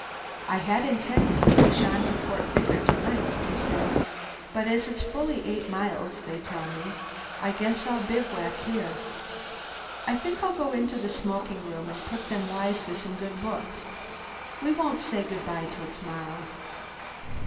"I had intended to push on to Port Vigor to night," he said, "but as it's fully eight miles (they tell me), I guess I'll bivouac here. I think I'll go into the smoking room and put them wise to some good books. We won't say good bye till to morrow."